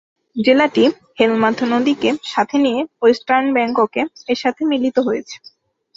জেলাটি হেলমান্দ নদীকে সাথে নিয়ে ওয়েস্টার্ন ব্যাংককে এর সাথে মিলিত হয়েছে।